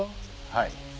はい。